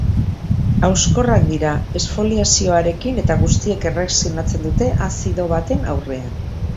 Hauskorrak dira, esfoliazioarekin eta guztiek erreakzionatzen dute azido baten aurrean.